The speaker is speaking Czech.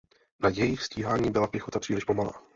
Na jejich stíhání byla pěchota příliš pomalá.